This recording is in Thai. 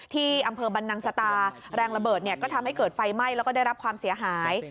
ที่อำเภอบรรนังสตาแรงระเบิดก็ทำให้เกิดไฟไหม้แล้วก็ได้รับความเสียหาย